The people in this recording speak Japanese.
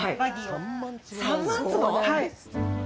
はい。